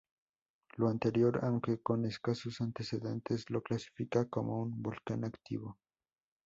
Lo anterior, aunque con escasos antecedentes, lo clasifica como un volcán activo.